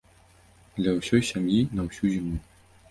Для ўсёй сям'і на ўсю зіму.